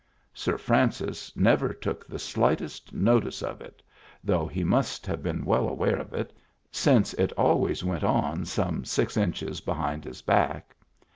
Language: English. Sir Francis never took the slightest notice of it, though he must have been well aware of it, since it always went on some six inches behind his back.